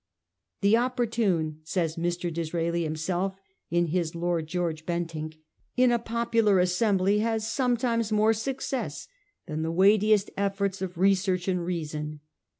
' The opportune,' says Mr. Disraeli himself in his ' Lord George Bentinck,' * in a popular assembly has sometimes more success than the weightiest efforts of 1846. THE OPPORTUNE. 397 research and reason.